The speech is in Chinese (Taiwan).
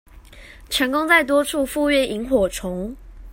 成功在多處復育螢火蟲